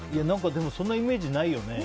でも、そんなイメージないよね。